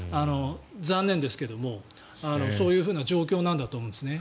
残念ですけどもそういう状況なんだと思うんですね。